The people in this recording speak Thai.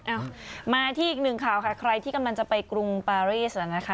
เอามาที่อีกหนึ่งข่าวค่ะใครที่กำลังจะไปกรุงปารีสนะคะ